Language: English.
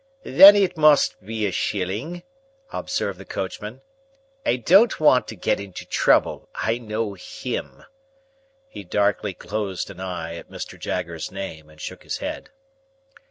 "Then it must be a shilling," observed the coachman. "I don't want to get into trouble. I know him!" He darkly closed an eye at Mr. Jaggers's name, and shook his head.